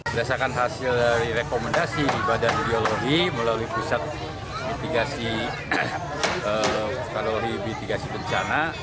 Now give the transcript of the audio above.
berdasarkan hasil dari rekomendasi di badan biologi melalui pusat biologi mitigasi pencana